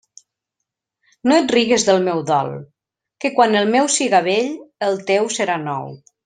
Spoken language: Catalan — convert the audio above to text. No et rigues del meu dol, que quan el meu siga vell el teu serà nou.